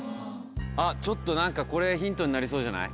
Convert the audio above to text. あっちょっと何かこれヒントになりそうじゃない？